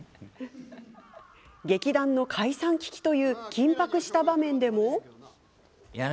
劇団の解散危機という緊迫した場面でも。